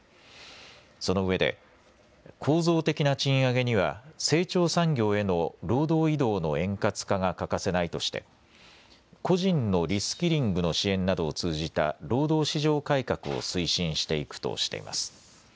そのうえで構造的な賃上げには成長産業への労働移動の円滑化が欠かせないとして個人のリスキリングの支援などを通じた労働市場改革を推進していくとしています。